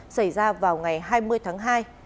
xảy ra vào ngày hai mươi tháng hai